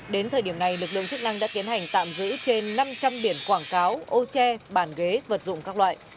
đến thời điểm này lực lượng chức năng đã tiến hành tạm giữ trên năm trăm linh biển quảng cáo ô tre bàn ghế vật dụng các loại